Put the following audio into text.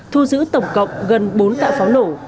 thu giữ tổng cộng gần bốn tạ pháo nổ